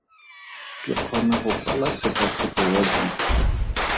Ke kgona go kwala tshekatsheko ya buka.